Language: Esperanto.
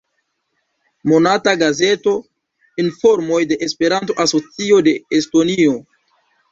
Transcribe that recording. Monata gazeto: "Informoj de Esperanto-Asocio de Estonio".